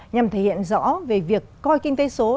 nhằm thể hiện rõ về việc coi kinh tế số